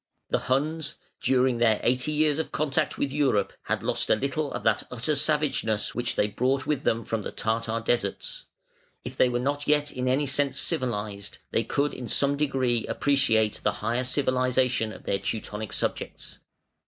The Huns, during their eighty years of contact with Europe, had lost a little of that utter savageness which they brought with them from the Tartar deserts. If they were not yet in any sense civilised, they could in some degree appreciate the higher civilisation of their Teutonic subjects.